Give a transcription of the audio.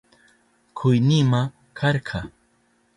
Kuynima karka.